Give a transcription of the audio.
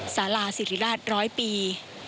สาราศรีริราชร้อยปี